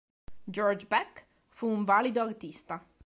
George Back fu un valido artista.